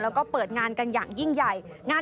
แล้วก็เปิดงานกันอย่างยิ่งใหญ่